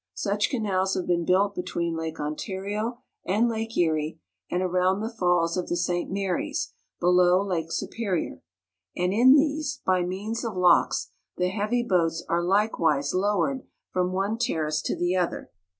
Such canals have been built between Lake Ontario and Lake Erie, and around the Falls of the St. Marys, below Lake Superior; and in these, by means of locks, the heavy boats are like wise lowered from one terrace to the other.